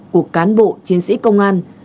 của cán bộ chiến sĩ công an